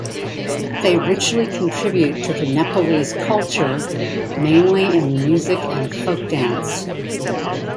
They richly contribute to the Nepalese culture mainly in music and folk dance.